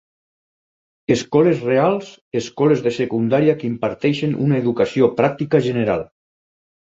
Escoles reals, escoles de secundària que imparteixen una educació pràctica general.